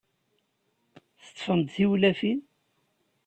Teṭṭfem-d tiwlafin?